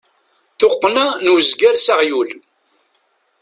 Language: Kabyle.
Tuqqna n uzger s aɣyul.